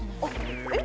えっ？